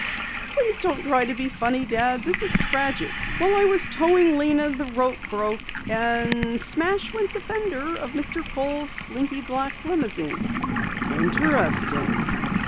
"Please don't try to be funny, Dad. This is tragic. While I was towing Lena, the rope broke and smash went the fender of Mr. Kohl's slinky black limousine." "Interesting."